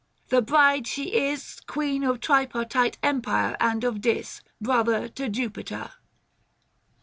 the bride she is Queen of tripartite empire and of Dis, Brother to Jupiter."